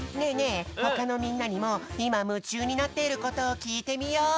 えほかのみんなにもいまむちゅうになっていることをきいてみよう。